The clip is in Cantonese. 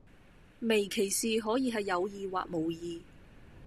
微歧視可以係有意或無意